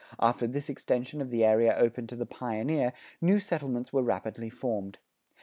After this extension of the area open to the pioneer, new settlements were rapidly formed.